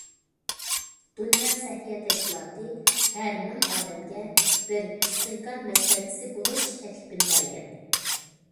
دۇنيا سەھىيە تەشكىلاتى ھەر مىڭ ئادەمگە بىر پىسخىكا مەسلىھەتچىسى بولۇش تەكلىپىنى بەرگەن.